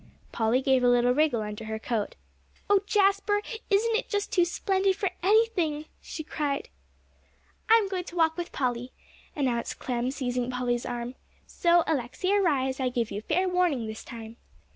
Polly gave a little wriggle under her coat. "Oh, Jasper, isn't it just too splendid for anything!" she cried. "I'm going to walk with Polly," announced Clem, seizing Polly's arm, "so, Alexia Rhys, I give you fair warning this time."